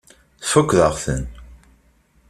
Tfakkeḍ-aɣ-ten.